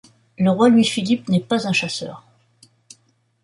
Le roi Louis-Philippe n'est pas chasseur.